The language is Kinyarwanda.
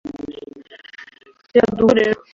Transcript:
reka duhure ejo